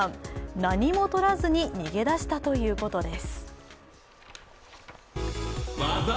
何もとらずに逃げ出したということです。